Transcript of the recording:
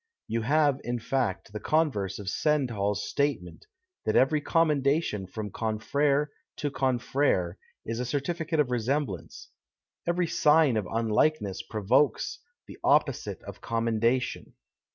You have, in fact, the converse of Stendhal's statement that every commendation from confrereto confrere is a certificate of resemblance ; every sign of unlikeness provokes the opposite of commendation.